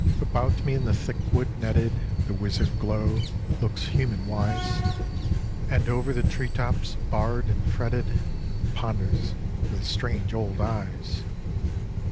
About me in the thick wood netted The wizard glow looks human wise ; And over the tree tops barred and fretted Ponders with strange old eyes.